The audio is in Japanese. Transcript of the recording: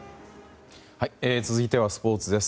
続いてはスポーツです。